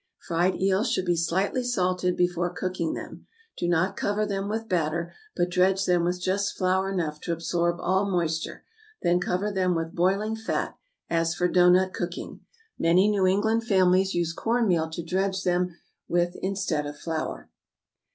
Fried eels should be slightly salted before cooking them. Do not cover them with batter, but dredge them with just flour enough to absorb all moisture, then cover them with boiling fat, as for doughnut cooking. Many New England families use corn meal to dredge them with instead of flour.